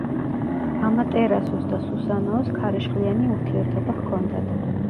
ამატერასუს და სუსანოოს ქარიშხლიანი ურთიერთობა ჰქონდათ.